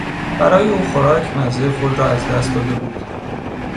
برای او خوراک مزهی خود را از دست داده بود.